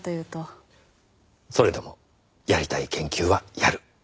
それでもやりたい研究はやる。